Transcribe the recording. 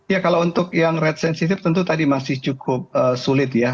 ya kalau untuk yang rate sensitif tentu tadi masih cukup sulit ya